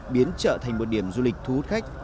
biến chợ thành một điểm du lịch thu hút khách